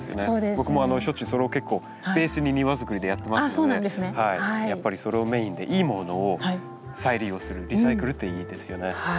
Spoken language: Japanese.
僕もしょっちゅうそれを結構ベースに庭づくりでやってますのでやっぱりそれをメインでいいものを再利用するリサイクルっていいですよね。